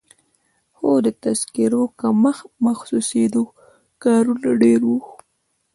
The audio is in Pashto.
خو د تذکیرو کمښت محسوسېده، کارونه ډېر وو.